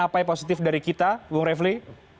apa yang positif dari kita bung refli